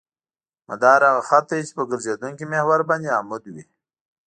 مدار هغه خط دی چې په ګرځېدونکي محور باندې عمود وي